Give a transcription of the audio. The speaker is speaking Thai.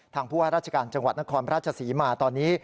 ทางผู้ห้าราชการจังหวัดนครพระราชสีมาตอนนี้